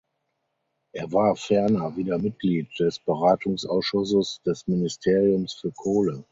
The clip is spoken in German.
Er war ferner wieder Mitglied des Beratungsausschusses des Ministeriums für Kohle.